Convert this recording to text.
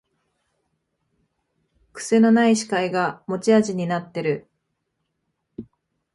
くせのない司会が持ち味になってる